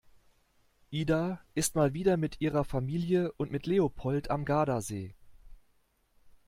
Ida ist mal wieder mit ihrer Familie und mit Leopold am Gardasee.